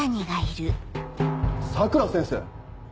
佐倉先生！